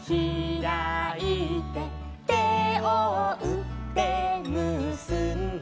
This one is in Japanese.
「てをうってむすんで」